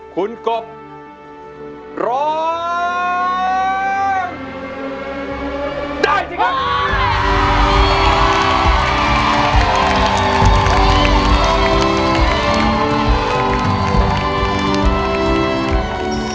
คุณกบร้องได้สิครับ